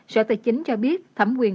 sở tài chính cho biết thẩm quyền